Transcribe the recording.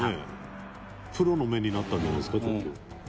プロの目になったんじゃないですかちょっと。